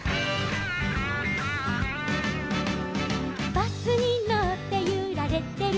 「バスにのってゆられてる」